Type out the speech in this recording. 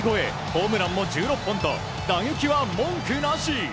ホームランも１６本と打撃は文句なし。